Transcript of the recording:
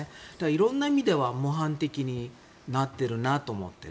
色んな意味では模範的になってるなと思っていて。